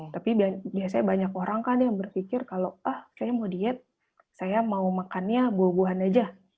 tapi biasanya banyak orang kan yang berpikir kalau ah saya mau diet saya mau makannya buah buahan aja